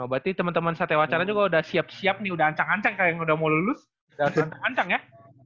berarti temen temen satya wacana juga udah siap siap nih udah ancang ancang kayak yang udah mau lulus udah ancang ancang ya